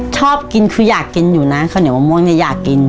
ชอบกินคืออยากกินอยู่นะเขาเหนียวว่ามองจะอยากกิน